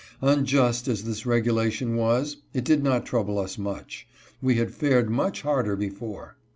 Unjust as this regulation was, it did not trouble us much. We had fared much harder before.